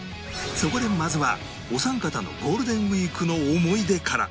そこでまずはお三方のゴールデンウィークの思い出から